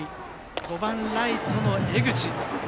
５番ライトの江口。